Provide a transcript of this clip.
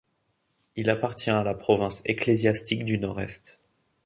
Il appartient à la province ecclésiastique du Nord-Est.